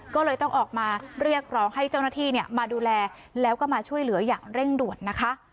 ก็เลยต้องออกมาเรียกร้องให้เจ้าหน้าที่มาดูแลแล้วก็มาช่วยเหลืออย่างเร่งด่วนนะคะ